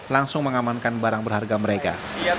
langsung mengamankan barang berharga mereka